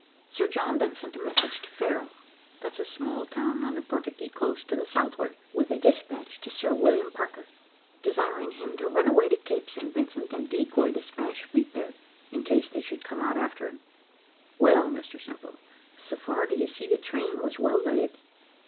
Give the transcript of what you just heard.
Sir John then sent a message to Ferro that's a small town on the Portuguese coast to the southward with a despatch to Sir William Parker, desiring him to run away to Cape St. Vincent, and decoy the Spanish fleet there, in case they should come out after him. Well, Mr Simple, so far d'ye see the train was well laid.